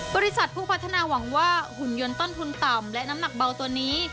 บริษัทผู้พัฒนาหวังว่าหุ่นยนต์ต้นทุนต่ำและน้ำหนักเบาตัวนี้